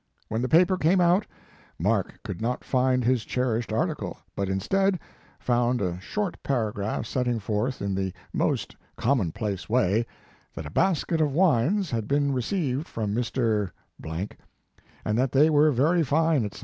When the paper came out Mark could not find his cherished article, but instead found a short para graph setting forth in the most common place way, that a basket of wines had been received from Mr. , and that they were very fine, etc.